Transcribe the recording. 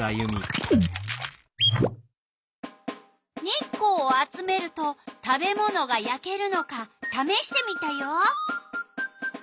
日光を集めると食べ物がやけるのかためしてみたよ。